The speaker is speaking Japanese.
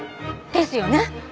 ですよね。